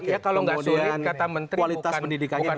iya kalau nggak sulit kata menteri bukan ujian tapi dagelan